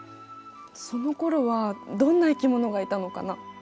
そのころはどんな生き物がいたのかな。